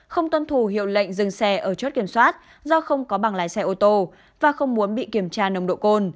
không tuân thủ hiệu lệnh dừng xe ở chốt kiểm soát do không có bằng lái xe ô tô và không muốn bị kiểm tra nồng độ cồn